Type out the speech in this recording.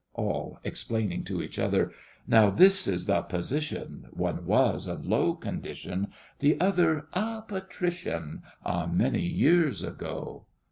ALL (explaining to each other). Now, this is the position: One was of low condition, The other a patrician, A many years ago.